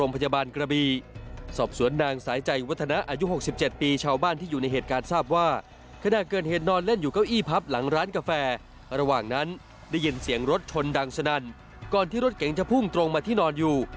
เพราะฉะนั้นได้ยินเสียงรถชนดังสนั่นก่อนที่รถเก๋งจะพุ่งตรงมาที่นอนอยู่